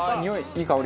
いい香り！